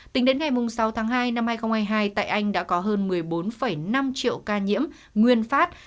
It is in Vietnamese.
tính đến ngày sáu tháng hai năm hai nghìn hai mươi hai tại anh đã có hơn một mươi bốn năm triệu ca nhiễm nguyên phát